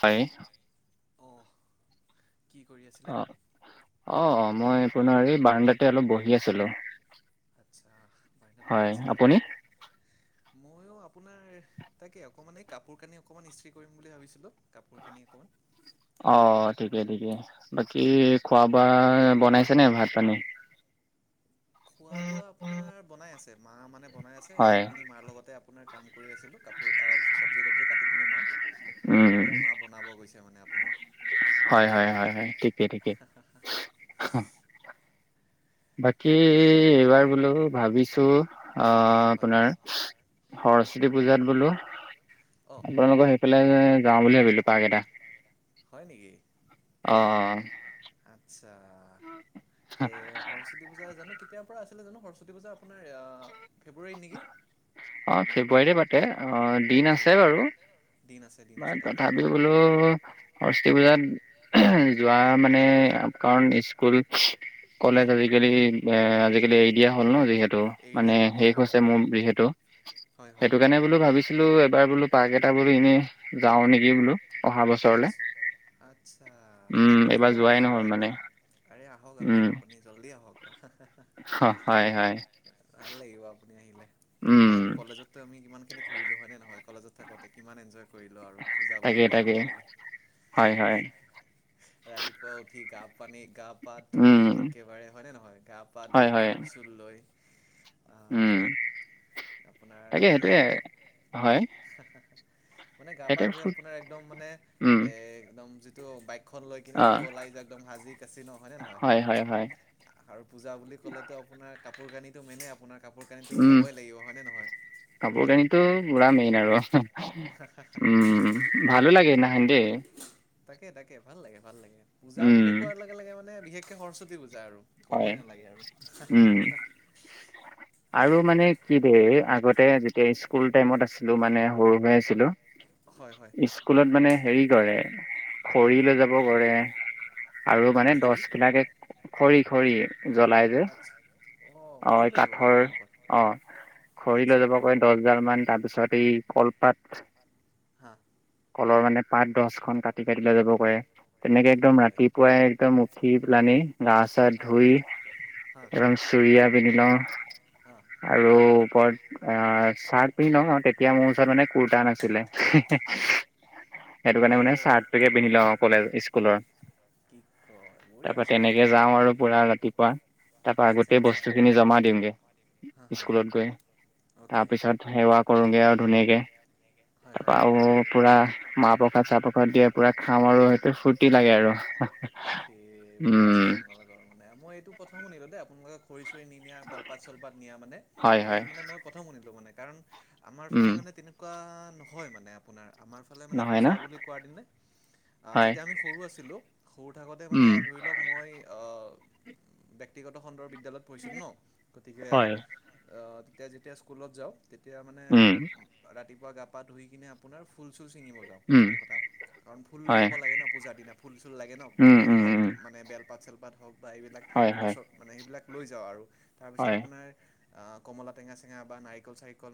হয়। অহ কি কৰি আছিলে অ অ অ মই আপোনাৰ এই বাৰাণ্ডাতে অলপ বহি আছিলো আচ্ছা বাহিৰত বহি আছিলে আপুনি মইয়ো আপোনাৰ তাকে অকমান এই কাপোৰ কানি অকমান ইস্ত্ৰি কৰিম বুলি ভাবিছিলো অ ঠিকে ঠিকে বাকী খোৱা বোৱা বনাইছে নে ভাত পানী খোৱা বোৱা আপোনাৰ বনাই আছে মা মানে বনাই আছে এই হয় অথনি মাৰ লগতে আপোনাৰ কাম কৰি আছিলোঁ কাপোৰ অলপ চব্জি তবজি কাটি দিলোঁ মাক উম এতিয়া মা বনাব গৈছে মানে আপোনাৰ হয় হয় হয় হয় ঠিকে ঠিকে বাকী এইবাৰ বোলো ভাবিছো আহ হয় আপোনাৰ সৰস্বতী পূজাত বোলো অঁ আপোনালোকৰ সেই যাওঁ বুলি ভাবিলো পাগ এটা হয় নেকি অ আত্ছা কে সৰস্বতী পূজা জানো কি তেতিয়াৰ পৰা আছিলে জানো সৰস্বতী পূজা আপোনাৰ ফেব্ৰুৱাৰীত নেকি অ ফেব্ৰুৱাৰী পাতে অ দিন অ'কে আছে বাৰু দিন আছে দিন ম আছে তথাপিও তাকেহে বোলো সৰস্বী পূজাত যোৱা মানে কাৰণ স্কুল কলেজ আজিকালি এ আজিকালি এৰি দিয়া হ'ল ন যিহেতু এৰি টো দিয়া মানে হ'ল অ শেষ হয় হৈছে মোৰ যিহেতু [inaudible] সেইটো কাৰণে বোলো ভাবিছিলো এবাৰ বোলো পাৰ্ক এটা বোলো এনেই যাওঁ নেকি বোলো অহা আচ্ছ বছৰলে আচ্ছা উম আহিব এইবাৰ যোৱাই আহিব নহল মানে একদম আৰে আহক আহক উম আপুনি জল্দি আহক অ হয় হয় ভাল লাগিব আপুনি আহিলে উম একেলগে কলেজতো আমি ইমান খিনি ঘূৰিলো হয় নে নহয় কলেজত থাকোতে কিমান এনজয় কৰিলো আৰু পূজা বুলি তাকে কোৱাৰ তাকে লগে লগে হয় হয় ৰাতিপুৱা উঠি কাপ গ পানী গা পা উম ধুই একেবাৰে হয়নে নহয় গা পা হয় ধুই হয় ফুল চুল লৈ আহ উম আপোনাৰ তাকে সেইটোৱে গোটেই হয় মানে গা পা সেইটোৱে ধুই ফু আপোনাৰ একদম মানে উম এ একদম যিটো বাক খন লৈ কিনে অ যিটো ওলাই যা একদম হাজি কাচি ন হয় নে নহয় হয় হয় আৰু পূজা বুলি ক'লেতো আপোনাৰ কাপোৰ কানিটো মেনেই আপোনাৰ কাপোৰ কানি উম ল'বই লাগিব হয় নে নহয় কাপোৰ কানিটো পুৰা মেইন আৰু উম ভালো লাগে আৰু নহে আপ- দেই তাকে তাকে ভাল লাগে ভাল লাগে পূজা উম বুলি কোৱাৰ লগে লগে মানে বিশেষকে সৰস্বতী পূজা আৰু হয় কবই নালাগে উম আৰু আৰু মানে কি দে আগতে যেতিয়া স্কুল টাইমত আছিলো মানে সৰু হৈ আছিলো হয় হয় স্কুলত মানে হেৰি দৰে খৰি লৈ যাব কৰে আৰু মানে খৰি দছবিলাকে খৰি খৰি জ্বলাই যে আচ্ছা অ খৰি এই লৈ যাবগৈ কাঠৰ আপোনালোকৰ অ খৰি লৈ আচ্ছা যাব কৈ দহ জন মান তাৰপিছত এই কলপাত হা কলৰ মানে পাত দছখন কাটি কাটি লৈ যাব কৈ তেনেকে কি একদম কয় ৰাতিপুৱাই একদম উঠি পেলানি গা চা ধুই হা হা একদম চুৰিয়া পিন্ধি লওঁ হা আৰু ওপৰত চাৰ্ট পিন্ধি লওঁ আৰু তেতিয়া মোৰ ওচৰত মানে কুৰ্তা নাছিলে সেইটো অ'। কাৰণে মানে চাৰ্টোকে পিন্ধি লওঁ কলেজ স্কুলৰ কি কয় তাৰপাৰা বঢ়িয়াচোন তেনেকে যাওঁ আৰু পুৰা ৰাতিপুৱা তাৰ পৰা আচ্ছা আগতে আচ্ছা। বস্তু খিনি জমা দিমগে হা হা স্কুলত গৈ অ'কে তাৰপিছত সেৱা কৰোগে আৰু ধুনীয়াকে হয় হয় তাৰপা আৰু পুৰা, মাহ প্ৰসাদ চাহ প্ৰ [unintelligible] দিয়ে পুৰা খাওঁ আৰু সেইটো ফূুৰ্তি লাগে আৰু, এই সেই বঢ়িয়াচোন উম। আপোনালোকৰ মানে মই এইটো প্ৰথম শুনিলো দে, আপোনালোকে। [unintelligible] নি নিয়া কলপাত চলপাত নিয়া মানে হয় হয় এইবিলাক মানে মই প্ৰথম শুনিলো মানে কাৰণ, আমাৰ উম ফালে মানে তেনেকুৱা নহয় মানে আপোনাৰ আমাৰ ফালে মানে নহয় পূজা ন বুলি কোৱাৰ দিনে। আহ হয় যেতিয়া আমি সৰু আছিলো সৰু থাকোতে মানে উম ধৰি লওক মই আহ, ব্যক্তিগত খণ্ডৰ বিদ্যালয়ত পঢ়িছিলো ন গতিকে হয় আহ, তেতিয়া যেতিয়া স্কুলত যাওঁ তেতিয়া মানে উম ৰাতিপুৱা গা পা ধুই কিনে আপোনাৰ ফুল, চিঙিব যা উম প্ৰথম কথা, কাৰণ ফুল লৈ হয় যাব লাগে ন পূজাৰ দিনা ফুল চুল লাগে ন উম ফুল উম হওক উম মানে বেলপাত চেলপাত হওক, বা এইবিলাক হয় হয় গছৰ মানে সেইবিলাক লৈ যাওঁ আৰু তাৰপিছত হয় আপোনাৰ। অ কমলা টঙা চেঙা বা নাৰিকল চাৰিকল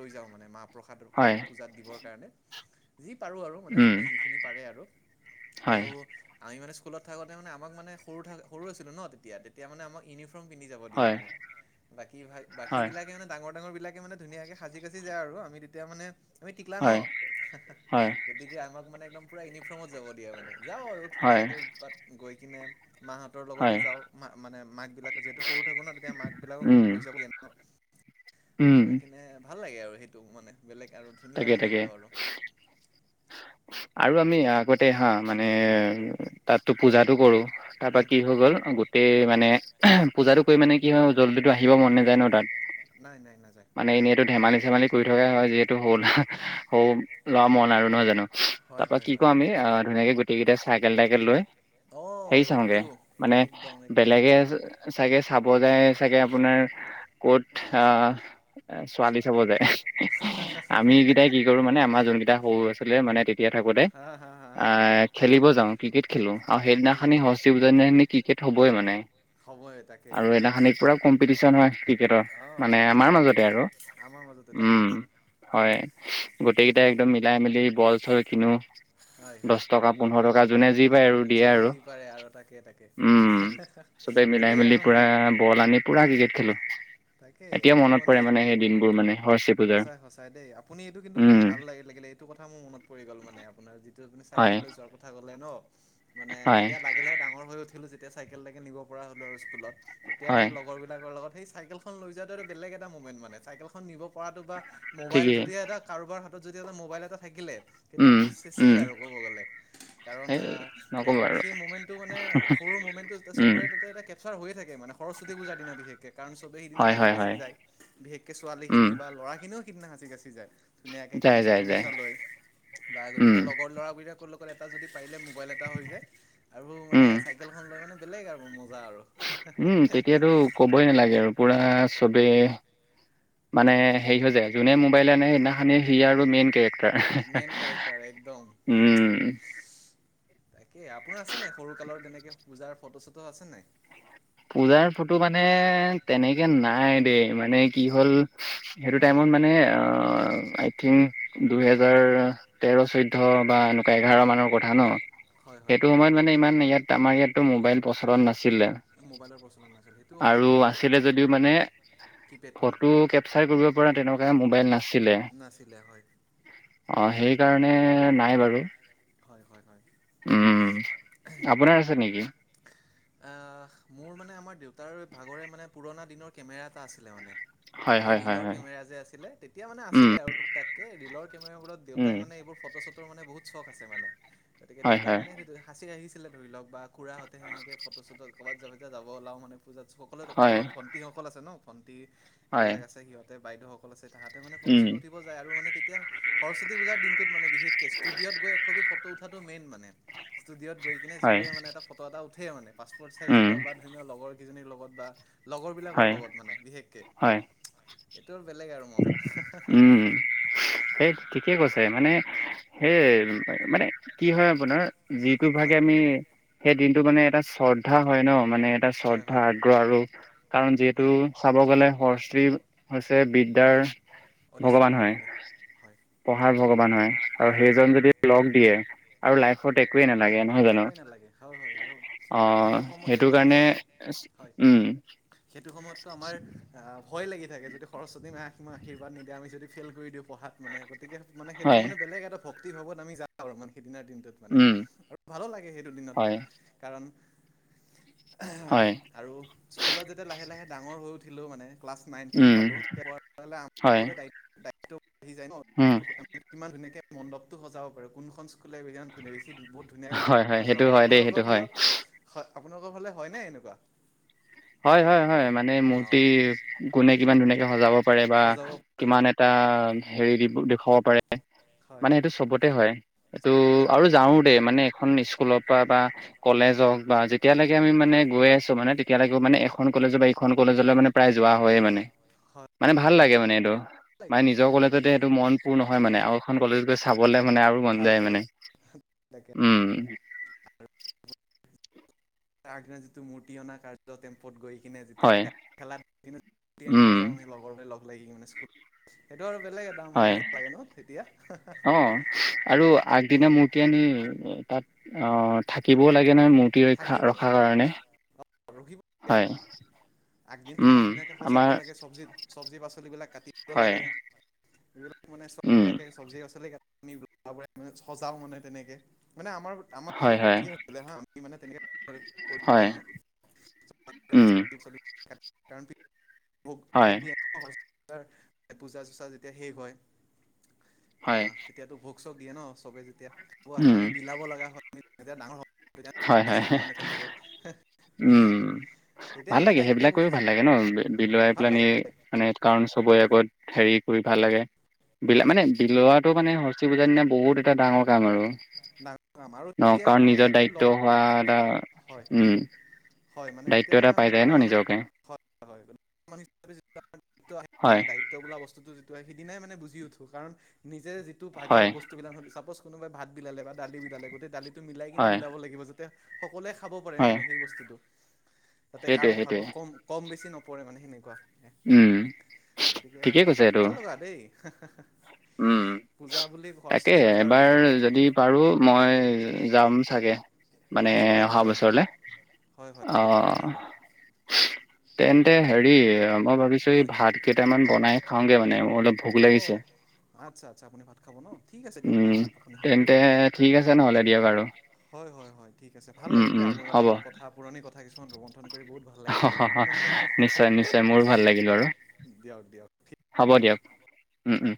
লৈ যাওঁ মানে মাপ প্ৰসাদৰ হয় কাৰণে পূজাত দিবৰ কাৰণে যি পাৰো। উম জুনে যিখিনি পাৰে আৰু হয় আৰু আমি মানে স্কুলত থাকোঁতে মানে আমাক মানে সৰু থ সৰু হৈছিলো ন তেতিয়া তেতিয়া মানে আমাক ইউনিফৰ্ম, পিন্ধি যাব দিয়ে হয় মানে বাকী বাকী হয় বিলাকে মানে ডাঙৰ ডাঙৰ বিলাক মানে ধুনীয়াকে সাজি কাচি যায় আৰু আমি তেতিয়া মানে আমি টিকলা ন। হয় হয় গতিকে আমাক মানে একদম পূৰা ইউনিফৰ্মত যাব দিয়ে মানে যাওঁ আৰু হয় ধুনীয়াকৈ উৎপাত গৈ কিনে মাহঁতৰ হয় লগতে যাওঁ মা মানে মাক বিলাক যিহেতু সৰু থাকো ন তেতিয়া মাক উম বিলাকক লৈ যাব দিয়ে ন। উম গৈ কিনে ভাল লাগে আৰু সেইটো মানে। বেলেগ আৰু তাকে ধুনীয়া তাকে মুহূৰ্ত আৰু। আৰু আমি আগতে হা মানে তাততো পূজাটো কৰোঁ। তাৰপা উম, কি হৈ গ'ল গোটেই মানে পূজাটো কৰি মানে কি হয় জল্দিটো আহিব মন নাযায় ন তাত। নাই নাই নাযায় মানে এনেইটো ধেমালি চেমালি কৰি থকাই হয় যিহেতু হ'ল হয় ল'ৰা মন আৰু নহয় জানো তাৰ হয় পৰা হয় কি হয় কৰো আমি ধুনীয়াকে গোটেই কেইটাই চাইকেল তাইকেল লৈ অ', হেৰি এইটো চাওঁগে মানে একদম একদম বেলেগে চাগে চাব যায় চাগে আপোনাৰ ক'ত অ লাষ্ট ছোৱালী চাব যায় আমি কেইটাই কি কৰো মানে আমাৰ যোন কেইটা সৰু আছিলে মানে তেতিয়া থাকোতে হা হা হা হা আহ খেলিব যাওঁ ক্ৰিকেট খেলো আৰু সেইদিনাখনি ক্ৰিকেট সৰস্বতী পূজাৰ দিনাখনে কি ক্ৰিকেট হ'বই মানে। সময় তাকে আৰু এইদিনাখনে পুৰা কম্পিটিশন হয় ক্ৰিকেটৰ অ', মানে আমাৰ একদম। মাজতে আৰু আমাৰ মাজতে তাকে উম, হয় গোটেই কেইটাই একদম মিলাই মেলি বল চল কিনো। হয় দছ হয় টকা পোন্ধৰ টকা যোনে যি পায় আৰু দিয়ে যোনে আৰু যি পাৰে আৰু তাকে তাকে। উম। চবে মিলাই বেলেগ মিলি আৰু পুৰা বল আনি পুৰা ক্ৰিকেট খেলো। তাকে এতিয়া এইটো মনত পৰে মানে সেই দিনবোৰ মানে। সৰস্বতী পূজাৰ সঁচাই, সঁচাই দেই। আপুনি এইটো কিন্তু মোৰ উম ভাল লাগি-লাগিলে, এইটো কথা মোৰ মনত পৰি গ'ল মানে আপোনাৰ যিটো আপুনি হয় চাইকেল লৈ যোৱাৰ কথা ক'লে ন'। মানে হয় যেতিয়া লাগিলে ডাঙৰ হৈ উঠিলো, যেতিয়া চাইকেল তাইকেল নিব পৰা হলো আৰু স্কুলত তেতিয়া হয়। মানে লগৰ বিলাকৰ লগত সেই চাইকেলখন লৈ যোৱাটো এটো বেলেগ এটা মমেণ্ট মানে, চাইকেলখন নিব পৰাটো বা মোবাইল ঠিকেই যদিহে এটা কাৰোবাৰ হাতত যদি এটা মোবাইল এটা থাকিলে উম তেতিয়ালেটো চেছেই উম আৰু কব গ'লে, কাৰণ সেই আহ, নক'ব আৰু সেই-সেই মমেন্টটো মানে সৰু [unintelligible] মমেণ্টটো উম চবৰে তাতে এটা কেপচাৰ হৈয়ে থাকে। মানে সৰস্বতী পূজাৰ দিনা বিশেষকে কাৰণ চবেই সিদিনা হয় সাজি হয় কাচি হয় যায়। বিশেষকে ছোৱালী উম খিনি বা ল'ৰা খিনিও সিদিনা সাচি কাচি যায়। ধুনীয়াকে যায় গামোচা যায় যায়। চামোচা লৈ বা উম, গতিকে লগৰ ল'ৰাবিলাক লগ এটা যদি পাৰিলে মোবাইল এটা হৈ যায় আৰু মানে উম, চাইকেলখন লৈ মানে বেলেগ আৰু মজা আৰু উম, তেতিয়াতো কবই নালাগে আৰু পুৰা চবে মানে হেৰি হৈ যায় যোনে মোবাইলে আনে সেইদিনাখনে সি আৰু মেইন কেৰেক্ট মেইন কেৰেক্টাৰ একদম উম। তাকে, আপোনাৰ আছে নাই সৰু কালৰ তেনেকে পূজাৰ ফটো চটো আছে নাই? পূজাৰ ফটো মানে, তেনেকে নাই দেই মানে কি হ'ল সেইটো হয় টাইমত মানে অ' অহ' আই থিংক দুহেজাৰ তেৰ চৈধ্য বা এনেকুৱা এঘাৰ উম, মানৰ কথা ন', হয় হয়। সেইটো সময়ত মানে ইমান ইয়াত আমাৰ ইয়াতো মোবাইল প্ৰচলন নাছিলে। মোবাইলৰ প্ৰচলন নাছিল সেইটোও হয় আৰু বাৰু আছিলে যদিও মানে দেই কিপেড ফোন ফটো কেপচাৰ কৰিব পৰা, তেনেকুৱা মোবাইল নাছিলে। নাছিলে হয়। অহ', সেই- সেইকাৰণে নাই বাৰু। হয় হয় হয়। উম', আপোনাৰ আছে নেকি? আহ মোৰ মানে আমাৰ দেউতাৰ ভাগৰে মানে পুৰণা দিনৰ কেমেৰা এটা আছিলে মানে হয়, এই হয়, হয়, ৰিলৰ হয়। কেমেৰা যে আছিলে। তেতিয়া মানে উম, আছিলে আৰু টুকটাককে ৰিলৰ কেমেৰাবোৰত দেউতাই উম, মানে এইবোৰ ফটো চটোৰ মানে বহুত চখ আছে, মানে গতিকে হয়, দেউতাই হয়, মানে সাঁচি‌ ৰাখিছে। ছিলে ধৰি লওঁক বা খুৰাহঁতে সেনেকে ফটো ছটো কবাত যেতিয়া যাব ওলাই মানে পূজাত সকলোৱো হয়, ঘৰৰ ভণ্টিসকল আছে ন', ভণ্টি হয়, এইবিলাক আছে, সিহঁতে বাইদেউসকল আছে তাহাতে মানে ফটো উম, চটো উঠিব যায়, আৰু মানে তেতিয়া সৰস্বতী পূজাৰ দিনটোত মানে বিশেষকে ষ্টুডিঅ'ত এককবি ফটো উঠাটো মেইন মানে। ষ্টুডিঅ'ত গৈ কিনে হয়, চবে মানে এটা ফটো এটা উঠে মানে। পাছপৰ্ট চাইজ উম, হ'লেও বা ধুনীয়ি লগৰ কেইজনীৰ লগত বা লগৰবিলাকৰ হয়, লগত মানে বিশেষকে। হয়, এইটো আৰু বেলেগ আৰু মজা। উম'। সেই ঠিকে কৈছে মানে সেইয়ে মানে, কি হয় আপোনাৰ যিটো হয়। ভাগে আমি সেইদিনটো মানে এটা শ্ৰদ্ধা হয় ন'। মানে এটা হয় শ্ৰদ্ধা, হয়। আগ্ৰহ আৰু কাৰণ যিহেতু উম। সব গলে সৰ [unintelligible] হৈছে বিদ্যাৰ ভগৱান অৰিচাত্ৰী হয়। দেৱী হয়। পঢ়াৰ ভগৱান হয়, আৰু হয় সেইজন যদি লগ দিয়ে, আৰু হয় লাইফত একোৱেই নালাগে নহয় জানো। একোৱেই নালাগে হয়। হয়। আৰু অ', সেইটো কাৰণে হয় উম। সেইটো সময়তটো আমাৰ অহ, ভয় লাগি থাকে। যদি সৰস্বতী না সীমা আশীৰ্বাদ নিদিয়ে, আমি যদি ফেইল কৰি দিওঁ পঢ়াত মানে। গতিকে মানে হয় সেইটো মানে বেলেগ এটা ভক্ত ভক্তিভাৱত আমি যাওঁ, মানে আৰু সেইদিনাৰ দিনটোত মানে উম আৰু ভালো লাগে সেইটো দিনত হয় কাৰণ হয় আৰু স্কুলত যেতিয়া লাহে লাহে ডাঙৰ হৈ উঠিলো মানে ক্লাছ নাইন টেন উম পালো। পোৱা গে হয় [unintelligible] গে [unintelligible] দায়ী আহি যায় ন', উম [unintelligible] কিমান ধুনীয়াকে মণ্ডপটো সজাব পাৰো। কোনখন স্কুলে কিমান ধুনীয়া বেছি বহুত ধুনীয় মন হয় সেইটো সজোৱা হয়। দেই সেইটো আপোনালোকৰ হয় ফালে হয়, আপোনালোকৰ ফালে হয় নে এনেকুৱা? হয়। হয়। হয়। মানে মূৰ্তি গোনে কিমান ধুনীয়াকে সজাব বা সজাব পাৰে কিমান এটা হেৰি দি দেখুৱাব পাৰে হয় মানে সেইটো চবতে হয়। এইটো চবতে আৰু হয় যাওঁ দে মানে এখন স্কুলত। বা কলেজ হওঁক বা হয় যেতিয়ালৈকে আমি মানে গৈ আছো মানে‌ তেতি মানে এখন কলেজৰ বা এইখন কলেজলৈ মানে প্ৰায় যোৱা হয়ে মানে। হয় মানে হয় ভাল লাগে সেইটো মানে এইটো মানে নিজৰ ভাল কলেজতে লাগে এইেইটো মন পূৰ নহয় মানে আৰু এখন কলেজ গৈ চাবলে। মানে আৰু মন চাব যায় মানে লাগে তাকে উম তাকে উম, আগৰাজীটো মূৰ্তি অনা কাৰ্য টেম্পত গৈ, কিনে যেতিয়া হয় গা খেলাত আনিব উম যাওঁ আমি লগৰলৈ লগ লাগি মানে স্কুল সেইটো আৰু বেলেগ এটা হয় মজা লাগে ন তেতিয়া অ আৰু আগদিনা মূৰ্তি আনি। তাত আহ থাকিবও লাগে নহয় মূৰ্তি ৰা থাকিব ৰখাৰ কাৰণে। ৰখিব লাগে হয় আপোনাৰ। আগদিন উম কিমান ধুনীয়াকে আমাৰ সজাব লাগে চবজিত চবজি পাচলি বিলাক কাটিব হয় লাগে এইবিলাক, মানে উম চববিলাকে চবজি ক [unintelligible] সজাও মানে তেনেকে, মানে আমাৰ আমাৰত হয় হয় তেক হা আমি মানে তেনে হয় উম, কাৰোক হয় ভোক দি এনেকুৱা, পূজা চোচা যেতিয়া শেষ হয় হয় আহ তেতিয়াতো ভোক, চ দিয়ে ন চবে যেতিয়া খাব আহে উম আমি বিলাব লগা হয়তিয়া ডাঙৰ, হয় হয় পাইছিলো মানে তেনেকে, উম তেতিয়া ভাল মানে লাগে দায়িত্ব সেইবিলাক কৰিও বুজিছো ভাল লাগে ন বিলাই ভাল পেলানি লাগে ভাল লাগে মানে কাৰণ, চবৰে আগত হেৰি কৰি ভাল লাগে। হয় বিলা হয় মানে বিলুৱটো মানে হস্তী পূজাৰ দিনা বহুত এটা ডাঙৰ কাম আৰু আমা আৰু ন কাৰণ কেতিয়া মানে নিজৰ আমি দায়িত্ব লৰা হোৱা এটা হয় উম হয় দায়িত্ব এটা পাই যায় ন নিজৰ কাৰণে, হয়ানে হয় দায়িত্ব বোলা বস্তুটো, সিদিনাই মানে বুজি উঠো কাৰণ নিজে যিটো ভাগৰ হয় বস্তু বিলাকো চাপজ কোনোবাই ভাত বিলালে বা দালি বিলালে গোটেই দালিটো মিলাই কিনে হয় বিলাব লাগিব যাতে অকলে খাব পাৰে হয় মানে সেই বস্তুটো যাতে সেইটোৱে কাৰো সেইটোৱে ভাগত কম কম বেছি নপৰে মানে সেনেকুৱা উম গতিকে ঠিকেই কৈছে এইটো ভাল লগা দেই উম পূজা বুলি তাকে সৰস্বতী পূজা আৰু এবাৰ বিশেষকে যদি পাৰো মই যাম চাগে মানে আহিব আহিব অহা একদম বছৰলৈ হয় হয় অ হয় আহিব তেন্তে হেৰি হ মই ভাবিছো এই হয়। ভাত কেইটামান বনাই খাওঁগে মানে মোৰ অলপ ভোক অ', লাগিছে আচ্ছা আচ্ছা আপুনি ভাত খাব ন ঠিক আছে দিয়ক আহ উম আপুনি কি কৰিব তেন্তে ঠিক আছে নহ'লে দিয়ক আৰু হয় হয় হয় ঠিক আছে ভাল উম লাগিল দে উম আপোনাৰ লগত কথা পুৰণি কথা কিছু গন কৰি বহুত ভাল লাগিল মানে হ'ব নিশ্চয় নিশ্চয় মোৰো ভাল লাগিল বাৰু দিয়ক দিয়ক ঠিকছে দিয়ক উম উম